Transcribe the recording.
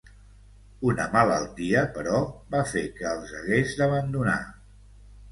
Una malaltia, però, va fer que els hagués d'abandonar.